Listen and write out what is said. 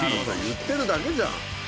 言ってるだけじゃん。